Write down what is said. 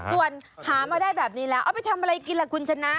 ส่วนหามาได้แบบนี้แล้วเอาไปทำอะไรกินล่ะคุณชนะ